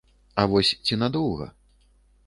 А вось ці надоўга?